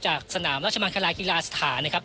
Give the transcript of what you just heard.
จากสนามราชมังคลากีฬาสถานนะครับ